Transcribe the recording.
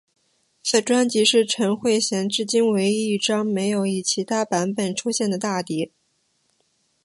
此专辑是陈慧娴至今唯一一张没有以其他版本出现的大碟。